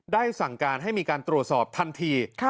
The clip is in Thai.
สั่งการให้มีการตรวจสอบทันที